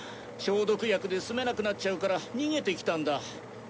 消毒薬で住めなくなっちゃうから逃げてきたんだ。